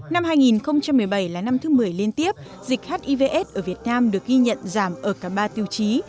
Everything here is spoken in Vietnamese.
năm hai nghìn một mươi bảy là năm thứ một mươi liên tiếp dịch hivs ở việt nam được ghi nhận giảm ở cả ba tiêu chí